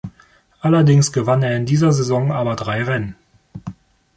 Allerdings gewann er in dieser Saison aber drei Rennen.